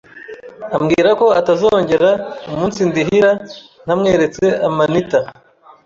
ambwira ko atazongera umunsindihira ntamweretse amanita